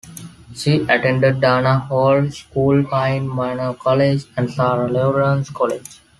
She attended Dana Hall School, Pine Manor College and Sarah Lawrence College.